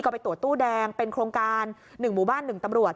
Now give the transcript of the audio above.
ก็ไปตรวจตู้แดงเป็นโครงการ๑หมู่บ้าน๑ตำรวจ